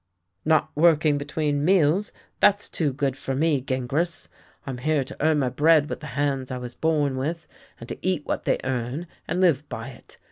"" Not working between meals — that's too good for me, Gingras. I'm here to earn my bread with the hands I was born with, and to eat what they earn, and live by it.